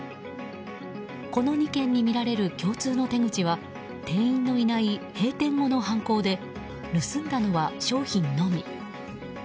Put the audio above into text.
この２軒に見られる共通の手口は店員のいない閉店後の犯行で盗んだのは商品のみ。